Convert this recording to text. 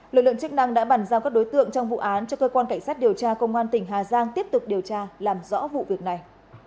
lực lượng chức năng đã bàn giao các đối tượng trong vụ án cho cơ quan cảnh sát điều tra công an tỉnh hà giang tiếp tục điều tra làm rõ vụ việc này